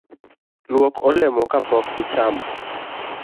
Luok olemo kapok ichamo